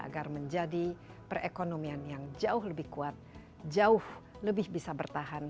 agar menjadi perekonomian yang jauh lebih kuat jauh lebih bisa bertahan